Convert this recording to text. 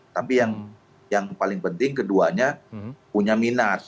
tapi yang paling penting keduanya punya minus